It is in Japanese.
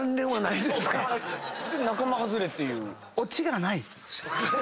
仲間外れっていう。